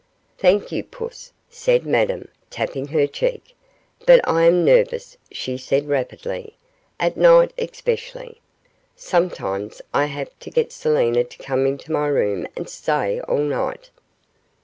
'Thank you, puss,' said Madame, tapping her cheek; 'but I am nervous,' she said, rapidly; 'at night especially. Sometimes I have to get Selina to come into my room and stay all night.